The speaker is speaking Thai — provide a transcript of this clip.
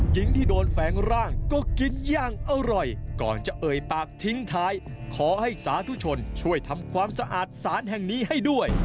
หญิงที่โดนแฝงร่างก็กินย่างอร่อยก่อนจะเอ่ยปากทิ้งท้ายขอให้สาธุชนช่วยทำความสะอาดสารแห่งนี้ให้ด้วย